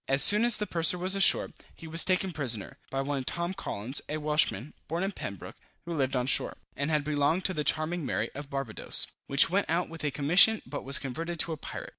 As soon as the purser was ashore, he was taken prisoner, by one Tom Collins, a Welshman, born in Pembroke, who lived on shore, and had belonged to the Charming Mary, of Barbadoes, which went out with a commission but was converted to a pirate.